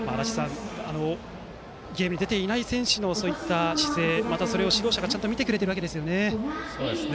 ゲームに出ていない選手のそういった姿勢、またそれを指導者がちゃんと見てくれているわけですよね。